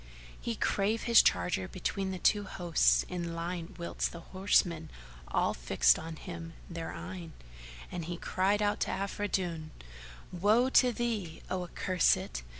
He drave his charger between the two hosts in line whilst the horsemen all fixed on him their eyne, and he cried out to Afridun, "Woe to thee, O accursed!